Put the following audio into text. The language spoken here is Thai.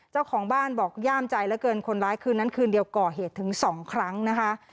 เจ้าของบ้านบอกย่ามใจเหลือเกินคนร้ายคืนนั้นคืนเดียวก่อเหตุถึง๒ครั้งนะคะ